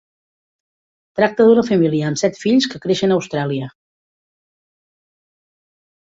Tracta d'una família amb set fills que creixen a Austràlia.